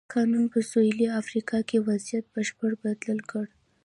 قانون په سوېلي افریقا کې وضعیت بشپړه بدل کړ.